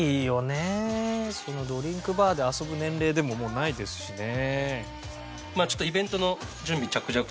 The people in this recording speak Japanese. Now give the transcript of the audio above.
そんなドリンクバーで遊ぶ年齢でももうないですしね。